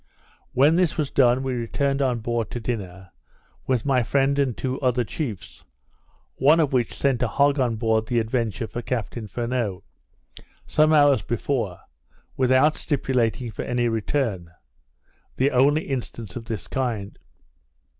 When this was done, we returned on board to dinner, with my friend and two other chiefs; one of which sent a hog on board the Adventure for Captain Furneaux, some hours before, without stipulating for any return. The only instance of this kind.